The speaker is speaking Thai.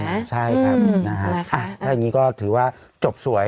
อ่าถ้าอย่างนี้ก็ถือว่าจบสวย